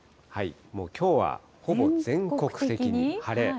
きょうはほぼ全国的に晴れ。